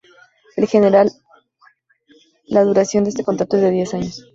En general la duración de este contrato es de diez años.